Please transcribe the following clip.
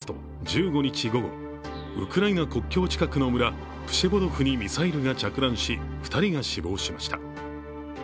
ポーランド外務省によりますと１５日午後、ウクライナ国境近くの村、プシェボドフにミサイルが着弾し、２人が死亡しました。